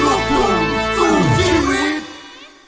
ไม่มีวันหยุดแม้แต่หัวใจฉันไม่เปลี่ยนตาม